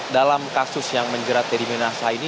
dalam kasus yang menjerat teddy minahasa ini